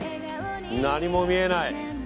何も見えない。